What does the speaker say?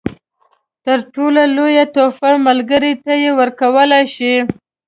تر ټولو لویه تحفه چې ملګري ته یې ورکولای شئ.